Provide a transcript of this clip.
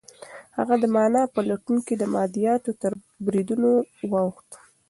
هغه د مانا په لټون کې د مادیاتو تر بریدونو واوښت.